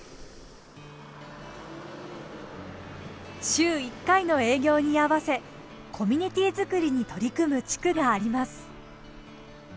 週１回の営業に合わせコミュニティーづくりに取り組む地区があります。